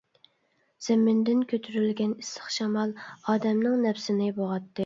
زېمىندىن كۆتۈرۈلگەن ئىسسىق شامال ئادەمنىڭ نەپىسىنى بوغاتتى.